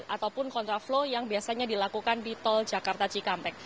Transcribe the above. ataupun kontraflow yang biasanya dilakukan di tol jakarta cikampek